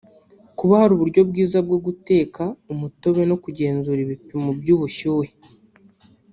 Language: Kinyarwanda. kuba hari uburyo bwiza bwo guteka umutobe no kugenzura ibipimo by’ubushyuhe